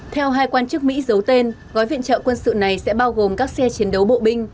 theo hai quan chức mỹ giấu tên gói viện trợ quân sự này sẽ bao gồm các xe chiến đấu bộ binh